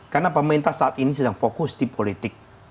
karena pemerintah saat ini sedang fokus di politik